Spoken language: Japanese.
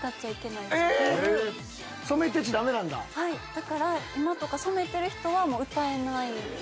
だから今とか染めてる人は歌えない。